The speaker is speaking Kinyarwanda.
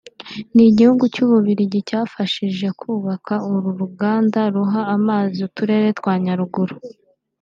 n’Igihugu cy’u Bubiligi cyabafashije kubaka uru ruganda ruha amazi uturere twa Nyaruguru